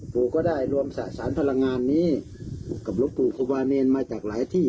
ปู่ก็ได้รวมสะสารพลังงานนี้กับหลวงปู่ครูวาเนรมาจากหลายที่